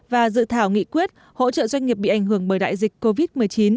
và dự thảo nghị quyết hỗ trợ doanh nghiệp bị ảnh hưởng bởi đại dịch covid một mươi chín